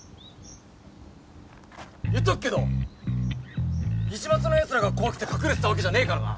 言っとくけど市松のやつらが怖くて隠れてたわけじゃねえからな。